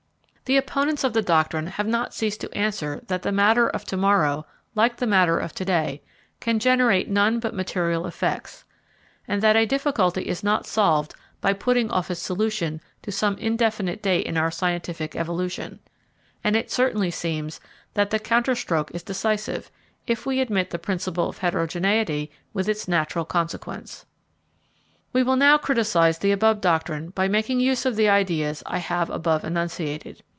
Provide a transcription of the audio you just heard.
The opponents of the doctrine have not ceased to answer that the matter of to morrow, like the matter of to day, can generate none but material effects, and that a difficulty is not solved by putting off its solution to some indefinite date in our scientific evolution: and it certainly seems that the counter stroke is decisive, if we admit the principle of heterogeneity with its natural consequence. We will now criticise the above doctrine by making use of the ideas I have above enunciated.